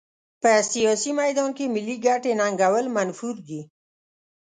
په سیاسي میدان کې ملي ګټې ننګول منفور دي.